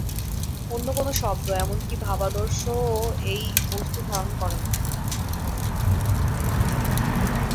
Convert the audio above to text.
অন্য কোন শব্দ এমনকি 'ভাবাদর্শ' ও এই বস্তু ধারণ করে না।